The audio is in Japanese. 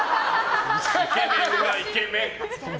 イケメンはイケメン。